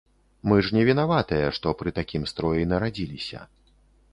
Мы ж не вінаватыя, што пры такім строі нарадзіліся.